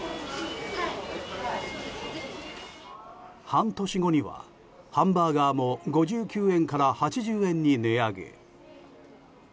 半年後にはハンバーガーも５９円から８０円に値上げ。